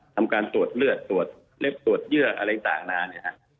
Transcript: ทำการตรวจเลือดตรวจเล็บตรวจเยื่ออะไรต่างนานเนี่ยฮะ